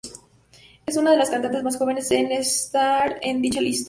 Es una de las cantantes más jóvenes en estar en dicha lista.